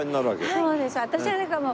そうです。